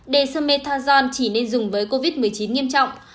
dexamethasone chỉ nên dùng với covid một mươi chín nghiêm trọng